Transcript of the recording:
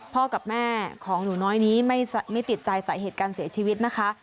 กับแม่ของหนูน้อยนี้ไม่ติดใจสาเหตุการเสียชีวิตนะคะ